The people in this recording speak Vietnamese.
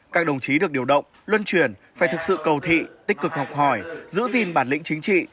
các đồng chí được điều động luân truyền phải thực sự cầu thị tích cực học hỏi giữ gìn bản lĩnh chính trị